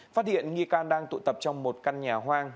phát hiện nghi can đang tụ tập trong một căn nhà hoang